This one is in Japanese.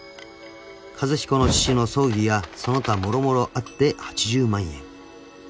［和彦の父の葬儀やその他もろもろあって８０万円］